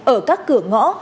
ở các cửa ngõ